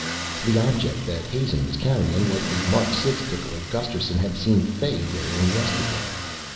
The object that Hazen was carrying was the Mark 6 tickler Gusterson had seen Fay wearing yesterday.